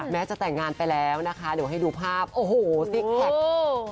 แม้จะแต่งงานไปแล้วนะคะเดี๋ยวให้ดูภาพโอ้โหซิกแพค